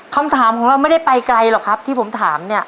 คำถามของเราไม่ได้ไปไกลหรอกครับที่ผมถามเนี่ย